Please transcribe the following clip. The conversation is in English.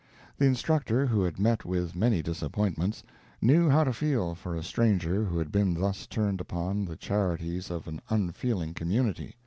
The instructor, who had met with many disappointments, knew how to feel for a stranger who had been thus turned upon the charities of an unfeeling community.